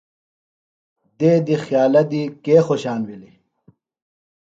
دیدیۡ خیالہ دی کے خوشان بِھلیۡ؟